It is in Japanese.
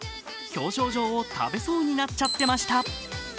表彰状を食べそうになっちゃってました。